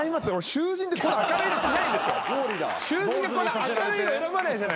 囚人ってこんな明るいの選ばないじゃないですか。